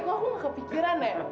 kok aku gak kepikiran ya